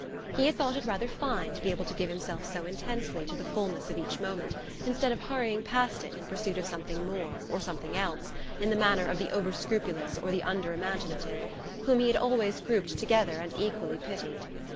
He had thought it rather fine to be able to give himself so intensely to the fullness of each moment instead of hurrying past it in pursuit of something more, or something else, in the manner of the over scrupulous or the under imaginative, whom he had always grouped together and equally pitied.